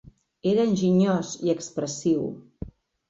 Era enginyós i expressiu.